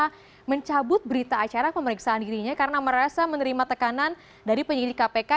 mereka mencabut berita acara pemeriksaan dirinya karena merasa menerima tekanan dari penyidik kpk